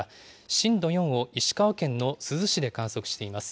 震度４を石川県の珠洲市で観測しています。